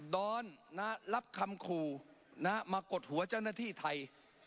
ดอนรับคำขู่มากดหัวเจ้าหน้าที่ไทย